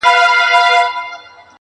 • ته له هره دِلستانه دِلستانه ښایسته یې,